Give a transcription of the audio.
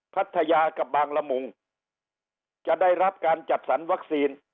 พัทยากับบางละมุงจะได้รับการจัดสรรวัคซีน